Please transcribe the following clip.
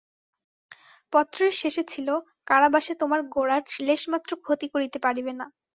পত্রের শেষে ছিল– কারাবাসে তোমার গোরার লেশমাত্র ক্ষতি করিতে পারিবে না।